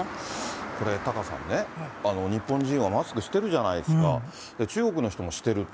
これ、タカさんね、日本人はマスクしてるじゃないですか、中国の人もしてると。